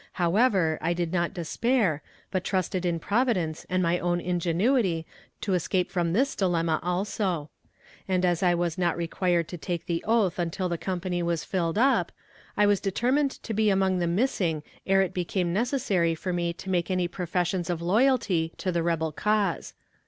However, I did not despair, but trusted in Providence and my own ingenuity to escape from this dilemma also; and as I was not required to take the oath until the company was filled up, I was determined to be among the missing ere it became necessary for me to make any professions of loyalty to the rebel cause.